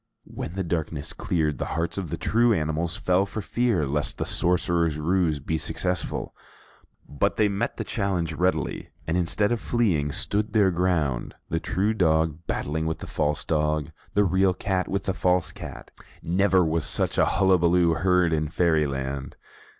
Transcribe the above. When the darkness cleared, the hearts of the true animals fell for fear lest the sorcerer's ruse be successful; but they met the challenge readily, and instead of fleeing, stood their ground; the true dog battling with the false dog, the real cat with the false cat. Never was such a hullaballoo heard in Fairyland.